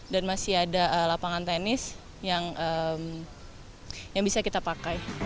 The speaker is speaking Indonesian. dan masih ada lapangan tenis yang bisa kita pakai